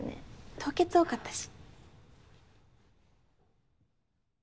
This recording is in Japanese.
当欠多かったし。